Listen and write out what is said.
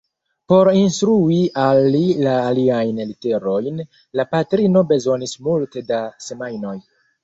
Por instrui al li la aliajn literojn, la patrino bezonis multe da semajnoj.